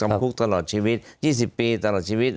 คุกตลอดชีวิต๒๐ปีตลอดชีวิต